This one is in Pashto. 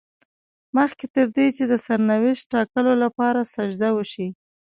مخکې تر دې چې د سرنوشت ټاکلو لپاره سجده وشي.